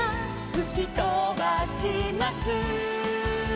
「ふきとばします」